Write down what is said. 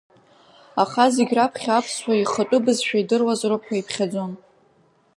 Аха зегь раԥхьа аԥсуа ихатәы бызшәа идыруазароуп ҳәа иԥхьаӡон.